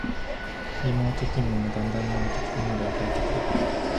リモート勤務もだんだん慣れてきて今では快適だ